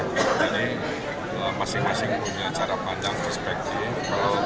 jadi masing masing punya cara pandang perspektif